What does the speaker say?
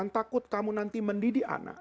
jangan takut kamu nanti mendidih anak